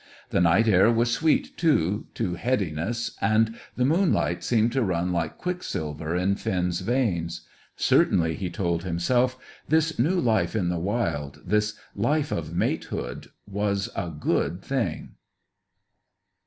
The night air was sweet, too, to headiness, and the moonlight seemed to run like quicksilver in Finn's veins. Certainly, he told himself, this new life in the wild, this life of matehood, was a good thing.